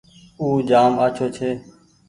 او جآم آڇو ڇي۔